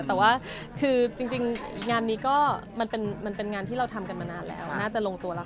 แต่ว่าคือจริงงานนี้ก็มันเป็นงานที่เราทำกันมานานแล้วน่าจะลงตัวแล้วค่ะ